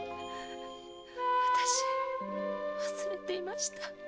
私忘れていました。